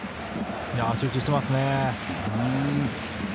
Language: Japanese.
集中していますね。